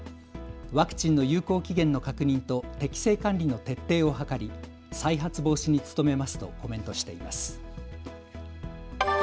ワクチンの有効期限の確認と適正管理の徹底を図り再発防止に努めますとコメントしています。